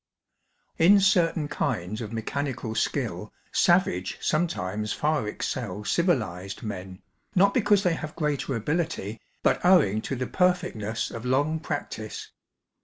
IN certain kinds of mechanical skill savage sometimes ┬Żeu: excel civilised men, not because they have greater ability, but owing to the perfectness of long practice.